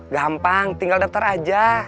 gampang tinggal daftar aja